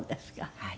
はい。